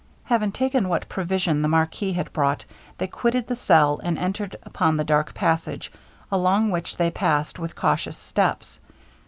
Having taken what provision the marquis had brought, they quitted the cell, and entered upon the dark passage, along which they passed with cautious steps.